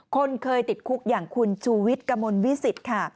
คนเคยติดคุกอย่างคุณชูวิทรกมลวิสิต